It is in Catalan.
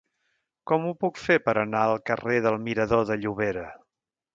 Com ho puc fer per anar al carrer del Mirador de Llobera?